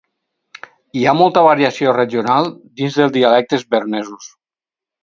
Hi ha molta variació regional dins dels dialectes bernesos.